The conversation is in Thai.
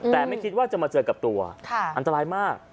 แต่ไม่คิดว่าจะมาเจอกับตัวอันตรายมาก